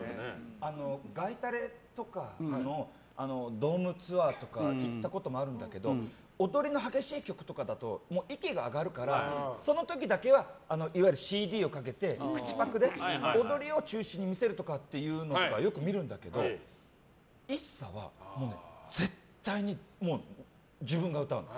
外タレとかのドームツアーとか行ったこともあるんだけど踊りの激しい曲とかだと息が上がるからその時だけはいわゆるＣＤをかけて口パクで踊りを中心に見せるとかっていうのよく見るんだけどＩＳＳＡは絶対に自分が歌うの。